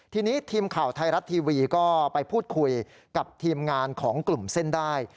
ทีนี้ทีมข่าวไทยรัฐทีวีก็ไปพูดคุยกับทีมงานของกลุ่มเส้นได้